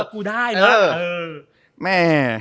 กูได้นะแม่